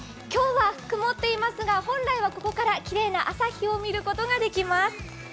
今日は曇っていますが本来はここからきれいな朝日を見ることができます。